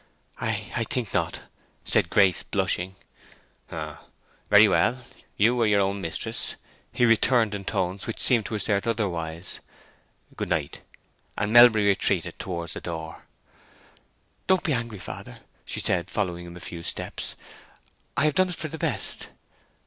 "I—I think not," said Grace, blushing. "H'm—very well—you are your own mistress," he returned, in tones which seemed to assert otherwise. "Good night;" and Melbury retreated towards the door. "Don't be angry, father," she said, following him a few steps. "I have done it for the best."